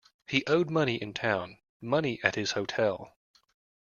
He owed money in town, money at his hotel.